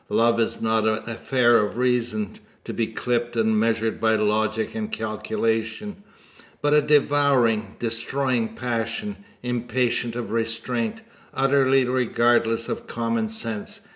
Love is not an affair of reason, to be clipped and measured by logic and calculation; but a devouring, destroying passion, impatient of restraint, and utterly regardless of common sense.